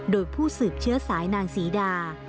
โดยผู้สืบเชื้อสายนางศรีดา